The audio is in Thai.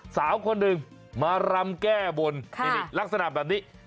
สาวคนหนึ่งมารำแก้บนลักษณะแบบนี้